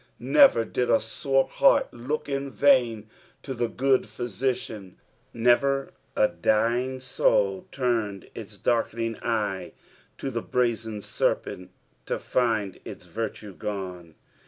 Never did a sore heart look in vain to the good Physician ; never a dying soul turned its darkening eye to the brazen serpent to find its virtue gone.